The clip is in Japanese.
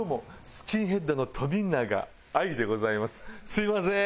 すみません。